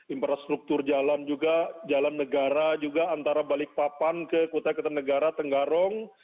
infrastruktur jalan juga jalan negara juga antara balikpapan ke kutai ketanegara tenggarong